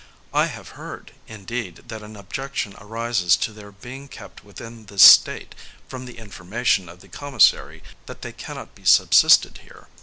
I have heard, indeed, that an objection arises to their being kept within this state, from the information of the commissary that they cannot be subsisted here.